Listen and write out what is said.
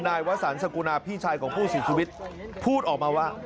นายวสันสกุณาพี่ชายของผู้เสียชีวิตพูดออกมาว่า